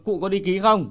cụ có đi ký không